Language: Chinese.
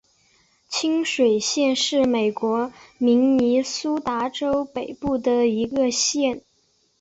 清水县是美国明尼苏达州北部的一个县。